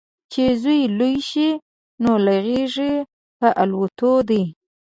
چې زوی لوی شي، نو له غیږې په الوت دی